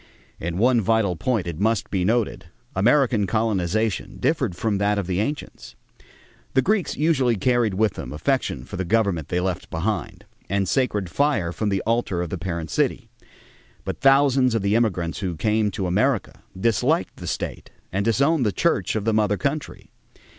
In one vital point, it must be noted, American colonization differed from that of the ancients. The Greeks usually carried with them affection for the government they left behind and sacred fire from the altar of the parent city; but thousands of the immigrants who came to America disliked the state and disowned the church of the mother country.